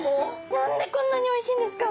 何でこんなにおいしいんですか？